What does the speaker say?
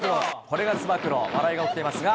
これがつば九郎、笑いが起きてますが。